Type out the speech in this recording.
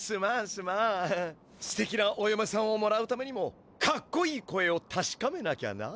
すてきなおよめさんをもらうためにもかっこいい声をたしかめなきゃな。